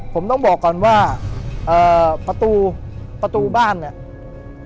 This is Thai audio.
ผมต้องบอกก่อนว่าเอ่อประตูประตูบ้านเนี่ย